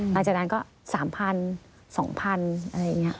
หลังจากนั้นก็๓๐๐๒๐๐อะไรอย่างนี้